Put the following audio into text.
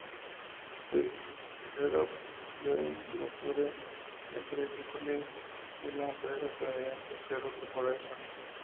Fuji Xerox, joint venture entre Fujifilm y la empresa estadounidense Xerox Corporation.